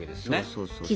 そうそう。